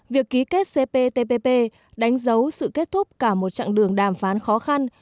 việc ký kết cptpp đánh dấu sự kết thúc cả một chặng đường đàm phán khó khăn